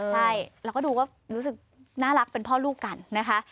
ใช่เราก็ดูก็รู้สึกน่ารักเป็นพ่อลูกกันนะคะ